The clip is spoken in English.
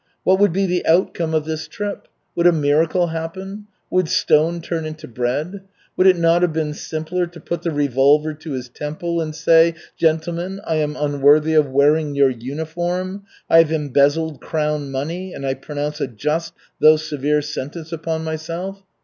What would be the outcome of this trip? Would a miracle happen? Would stone turn into bread? Would it not have been simpler to put the revolver to his temple and say, "Gentlemen, I am unworthy of wearing your uniform. I have embezzled crown money and I pronounce a just, though severe sentence upon myself"?